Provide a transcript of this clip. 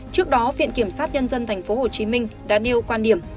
trước đó viện kiểm sát nhân dân tp hcm đã nêu quan điểm